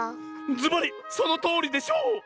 ずばりそのとおりでしょう！